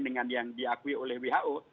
dengan yang diakui oleh who